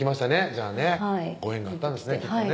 じゃあねご縁があったんですねきっとね